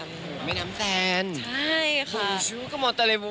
แม่น้ำแฟน